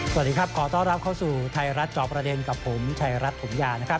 สวัสดีครับขอต้อนรับเข้าสู่ไทยรัฐจประเด็นกับผมไทยรัฐถุงยา